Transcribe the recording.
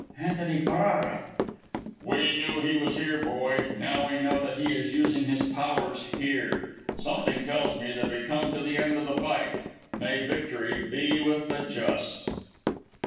"Antony Ferrara " "We knew he was here, boy; now we know that he is using his powers here. Something tells me that we come to the end of the fight. May victory be with the just."